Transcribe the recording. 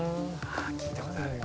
聞いたことある。